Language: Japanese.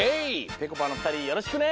ぺこぱのふたりよろしくね！